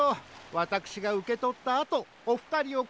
わたくしがうけとったあとおふたりをかいほうします。